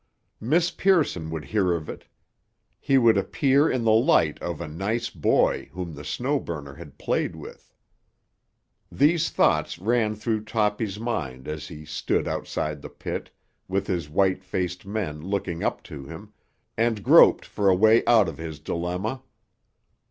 Miss Pearson would hear of it. He would appear in the light of a "nice boy" whom the Snow Burner had played with. These thoughts ran through Toppy's mind as he stood outside the pit, with his white faced men looking up to him, and groped for a way out of his dilemma.